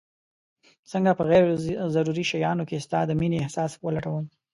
څنګه په غير ضروري شيانو کي ستا د مينې احساس ولټوم